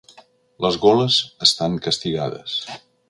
Les goles estan castigades.